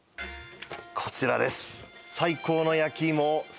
こちらです